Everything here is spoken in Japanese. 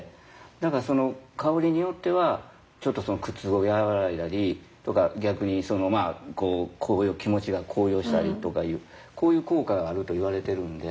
だからその香りによってはちょっとその苦痛を和らいだりとか逆にまあ気持ちが高揚したりとかいうこういう効果があるといわれてるんで。